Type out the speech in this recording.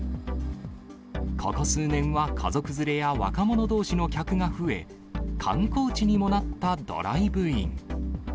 ここ数年は家族連れや若者どうしの客が増え、観光地にもなったドライブイン。